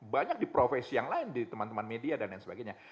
banyak di profesi yang lain di teman teman media dan lain sebagainya